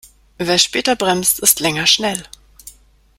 Wer später bremst, ist länger schnell.